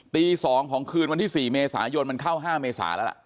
ตี๒ของคืนวันที่๔เมษายนมันเข้า๕เมษาแล้วล่ะ